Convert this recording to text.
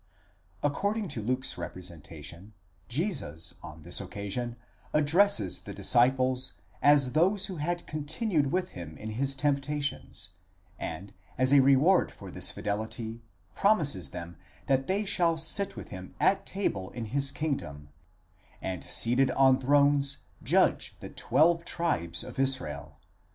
According to Luke's representation, Jesus on this occasion addresses the disciples as those who had continued with him in his temptations, and as a reward for this fidelity promises them that they shall sit with him at table in his kingdom, and seated on thrones, judge the twelve tribes of Israel (v.